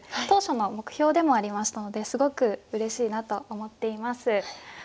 当初の目標でもありましたのですごくうれしいなと思っています。